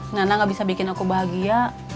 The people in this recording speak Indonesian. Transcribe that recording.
karena gak bisa bikin aku bahagia